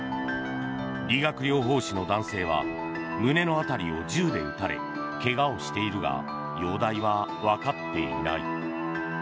理学療法士の男性は胸の辺りを銃で撃たれ怪我をしているが容体はわかっていない。